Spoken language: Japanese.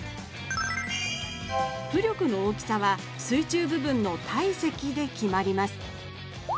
浮力の大きさは水中部分の体積で決まります。